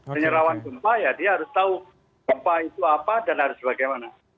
menyerawan gempa ya dia harus tahu gempa itu apa dan harus bagaimana